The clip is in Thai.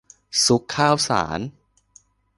ซุกข้าวสาร